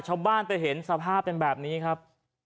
ชาวบ้านไปเห็นสภาพเป็นแบบนี้ครับ